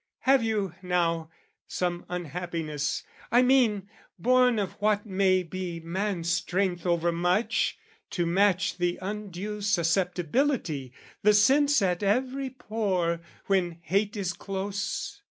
"Have you, now, some unhappiness, I mean, "Born of what may be man's strength overmuch, "To match the undue susceptibility, "The sense at every pore when hate is close?